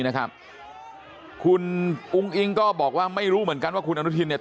นะครับคุณอุ้งอิงก็บอกว่าไม่รู้เหมือนกันว่าคุณอนุทินเนี่ย